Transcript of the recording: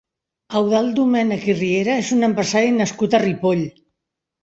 Eudald Domènech i Riera és un empresari nascut a Ripoll.